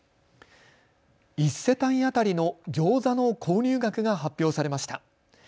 １世帯当たりのギョーザの購入額が発表されました。